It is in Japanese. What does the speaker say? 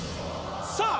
さあ